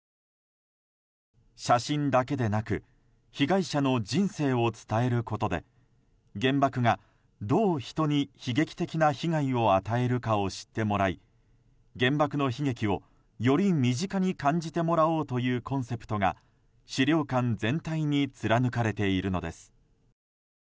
写真だけでなく被害者の人生を伝えることで原爆がどう人に悲劇的な被害を与えるかを知ってもらい原爆の悲劇を、より身近に感じてもらおうというコンセプトが資料館全体に貫かれているのです。